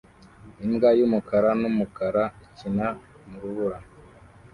Imbwa yumukara numukara ikina mu rubura